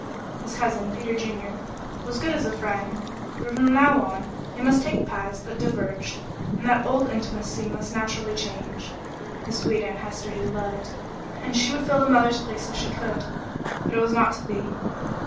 His cousin, Peter Junior, was good as a friend, but from now on they must take paths that diverged, and that old intimacy must naturally change. His sweet Aunt Hester he loved, and she would fill the mother's place if she could, but it was not to be.